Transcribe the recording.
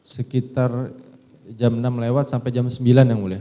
sekitar jam enam lewat sampai jam sembilan yang mulia